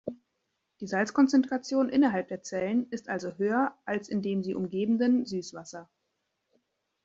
Die Salzkonzentration innerhalb der Zellen ist also höher als in dem sie umgebenden Süßwasser.